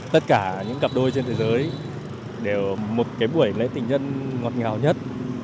tất cả những cặp đôi trên thế giới đều một cái buổi lễ tình nhân ngọt ngào nhất